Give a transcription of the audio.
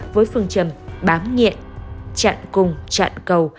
với phương trầm bám nghiện chặn cung chặn cầu